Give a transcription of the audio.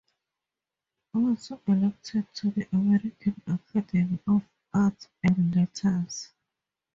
Also elected to the American Academy of Arts and Letters.